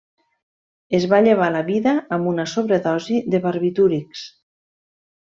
Es va llevar la vida amb una sobredosi de barbitúrics.